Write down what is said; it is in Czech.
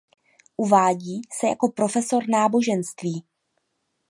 Uvádí se jako profesor náboženství.